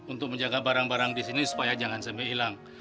untuk menjaga barang barang di sini supaya jangan sampai hilang